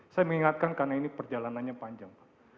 saya mengingatkan karena ini perjalanannya panjang pak